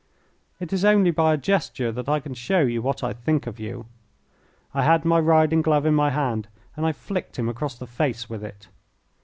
It is only by a gesture that I can show you what I think of you." I had my riding glove in my hand, and I flicked him across the face with it.